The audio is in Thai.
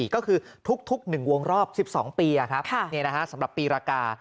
ก็คือทุก๑วงรอบ๑๒ปีสำหรับปีรากา